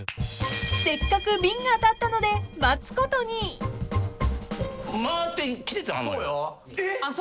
［せっかく瓶が当たったので待つことに］えっ！？